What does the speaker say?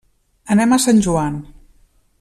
Anem a Sant Joan.